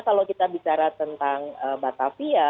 kalau kita bicara tentang batavia